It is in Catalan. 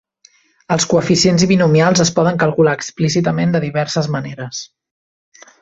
Els coeficients binomials es poden calcular explícitament de diverses maneres.